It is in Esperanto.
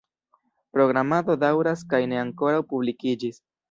Programado daŭras kaj ne ankoraŭ publikiĝis.